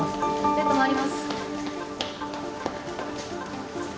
ベッド回ります。